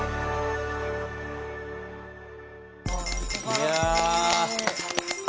いや。